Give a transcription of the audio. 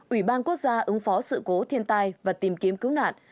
ủy ban quốc gia ứng phó sự cố thiên tai và tìm kiếm cứu nạn